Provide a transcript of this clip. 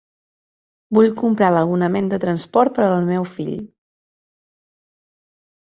Vull comprar l'abonament de transport per al meu fill.